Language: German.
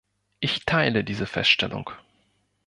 Ich teile diese Feststellung.